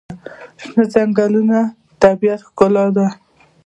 شنه ځنګلونه طبیعي ښکلا ده.